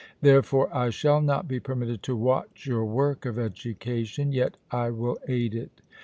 Therefore I shall not be permitted to watch your work of education; yet I will aid it.